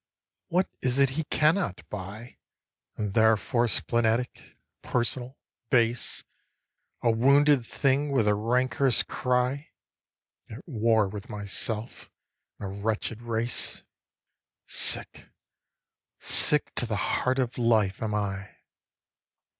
what is it he cannot buy? And therefore splenetic, personal, base, A wounded thing with a rancourous cry, At war with myself and a wretched race, Sick, sick to the heart of life, am I.